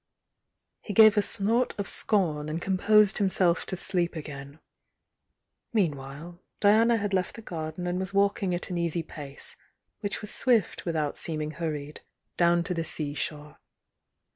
He gave a snort of scorn and composed himself to sleep again; meanwhile Diana had left the gar den and was walking at an easy pace, which was swift without seeming hurried, down to the sea shore.